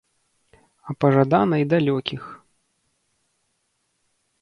А пажадана і далёкіх.